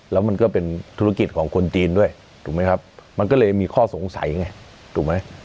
แล้วมันก็เป็นธุรกิจของคนจีนด้วยถูกไหมครับมันก็เลยมีข้อสงสัยไงถูกไหม